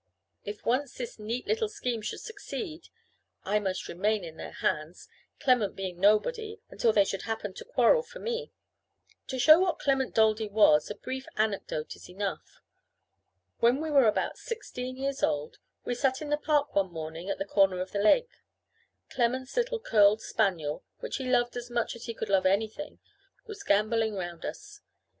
If once this neat little scheme should succeed, I must remain in their hands, Clement being nobody, until they should happen to quarrel for me. To show what Clement Daldy was, a brief anecdote is enough. When we were about sixteen years old, we sat in the park one morning, at the corner of the lake; Clement's little curled spaniel, which he loved as much as he could love anything, was gambolling round us.